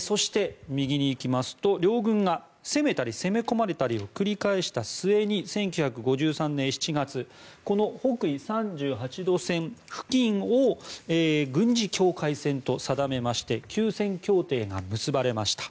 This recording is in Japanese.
そして、両軍が攻めたり攻め込まれたりを繰り返した末に１９５３年７月この北緯３８度線付近を軍事境界線と定めまして休戦協定が結ばれました。